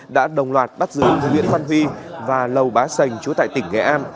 đã đồng loạt bắt giữ nguyễn văn huy và lầu bá sành chú tại tỉnh nghệ an